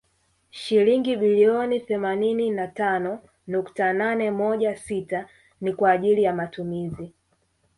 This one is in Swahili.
Shilingi bilioni themanini na tano nukta nane moja sita ni kwa ajili ya matumizi